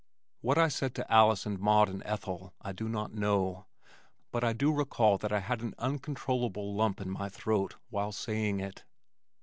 What I said to Alice and Maud and Ethel I do not know, but I do recall that I had an uncomfortable lump in my throat while saying it.